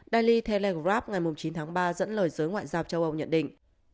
daily telegrab ngày chín tháng ba dẫn lời giới ngoại giao châu âu nhận định